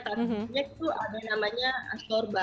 tadi itu ada namanya asorba